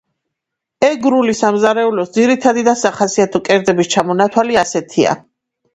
ეგრული სამზარეულოს ძირითადი და სახასიათო კერძების ჩამონათვალი ასეთია